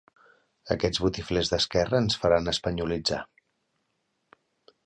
Aquests botiflers d'esquerra ens faran espanyolitzar